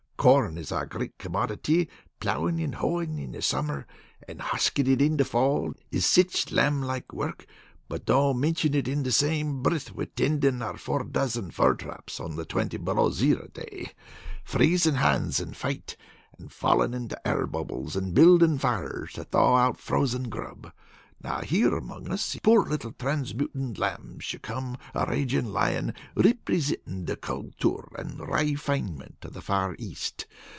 Corn is our great commodity. Plowin' and hoein' it in summer, and huskin' it in the fall is sich lamb like work. But don't mintion it in the same brith with tendin' our four dozen fur traps on a twenty below zero day. Freezing hands and fate, and fallin' into air bubbles, and building fires to thaw out our frozen grub. Now here among us poor little, transmutin', lambs you come, a raging lion, ripresentin' the cultour and rayfinement of the far East.